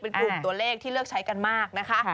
เป็นกลุ่มตัวเลขที่เลือกใช้กันมากนะคะ